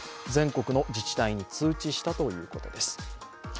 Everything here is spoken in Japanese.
全国の自治体に通知したということです。